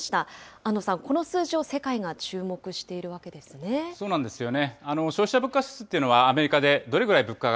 安藤さん、この数字を世界が注目しているわけですね。